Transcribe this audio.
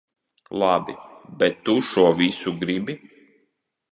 Labi, bet tu šo visu gribi?